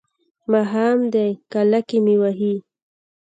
ماښام دی کاله کې مې وهي.